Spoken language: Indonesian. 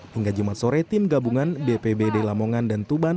hingga jumat sore tim gabungan bpbd lamongan dan tuban